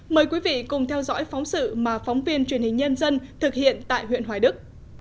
mời quý vị cùng theo dõi phóng sự mà phóng viên truyền hình nhân dân thực hiện tại huyện hoài đức